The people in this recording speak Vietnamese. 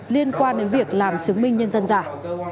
liên quan đến việc làm chứng minh nhân dân giả